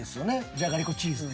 じゃがりこチーズで。